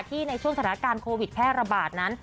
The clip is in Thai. ในช่วงสถานการณ์โควิดแพร่ระบาดนั้น